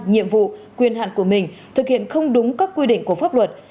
nhiệm vụ quyền hạn của mình thực hiện không đúng các quy định của pháp luật